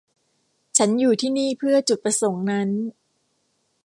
ฉันอยู่ที่นี่เพื่อจุดประสงค์นั้น